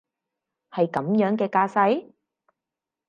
係噉樣嘅架勢？